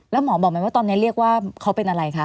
แล้วหมอบอกไหมว่าตอนนี้เรียกว่าเขาเป็นอะไรคะ